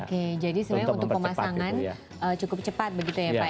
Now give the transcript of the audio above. oke jadi sebenarnya untuk pemasangan cukup cepat begitu ya pak ya